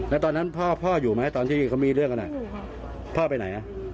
แล้วตอนนั้นพ่อพ่ออยู่ไหมตอนที่มีเรื่องอะน่ะ